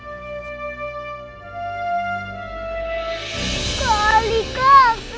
siva kamu gak boleh nakal ya